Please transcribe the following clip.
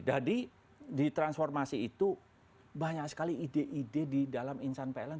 jadi di transformasi itu banyak sekali ide ide di dalam insan pln